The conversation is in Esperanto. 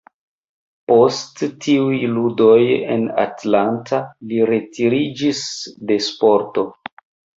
Post tiuj ludoj en Atlanta li retiriĝis de sporto.